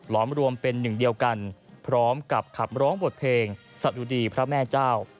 รวมรวมเป็นหนึ่งเดียวกันพร้อมกับขับร้องบทเพลงสะดุดีพระแม่เจ้า